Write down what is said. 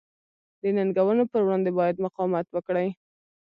د ننګونو پر وړاندې باید مقاومت وکړي.